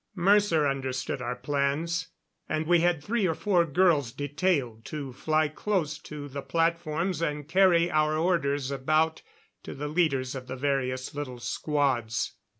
Mercer understood our plans, and we had three or four girls detailed to fly close to the platforms and carry our orders about to the leaders of the various little squads.